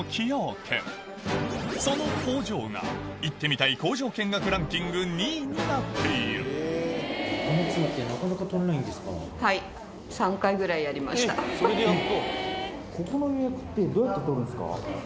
軒その工場が行ってみたい工場見学ランキング２位になっているそう